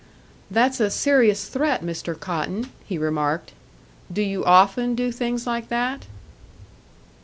"That's a serious threat, Mr. Cotton," he remarked. "Do you often do things like that?"